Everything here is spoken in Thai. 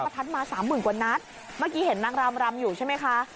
ทัดมาสามหมื่นกว่านัดเมื่อกี้เห็นนางรำรำอยู่ใช่ไหมคะ